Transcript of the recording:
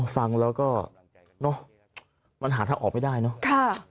ฟังแล้วก็มันหาทางออกไม่ได้เนอะ